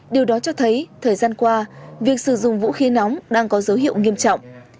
điều đó cho thấy thời gian qua việc sử dụng vũ khí nóng đang có dấu hiệu nghiêm trọng